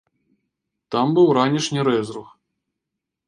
Там быў ранішні рэзрух.